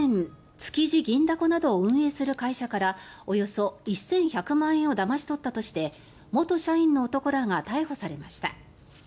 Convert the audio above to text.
築地銀だこなどを運営する会社からおよそ１１００万円をだまし取ったとして元社員の男らが逮捕されました。